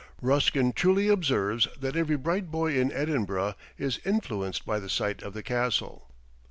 Ruskin truly observes that every bright boy in Edinburgh is influenced by the sight of the Castle.